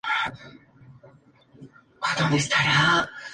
La fisonomía glaciar ha dado lugar a lagos, lagunas y turberas.